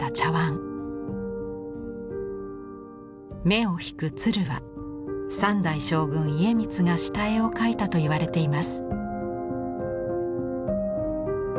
目を引く鶴は３代将軍家光が下絵を描いたといわれています。